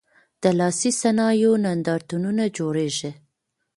د لاسي صنایعو نندارتونونه جوړیږي؟